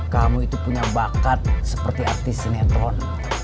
kamu itu punya bakat seperti artis sinetron